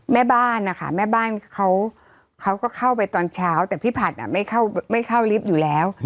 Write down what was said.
แม่บ้านนะคะแม่บ้านเขาก็เข้าไปตอนเช้าแต่พี่ผัดไม่เข้าลิฟต์อยู่แล้ว